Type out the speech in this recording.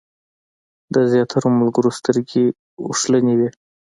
د زیاترو ملګرو سترګې اوښلنې وې.